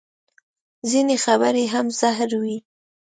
ځینې خبرې هم زهر وي